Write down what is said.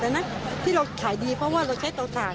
ที่เราขายดีเพราะว่าเราใช้เตาถ่าน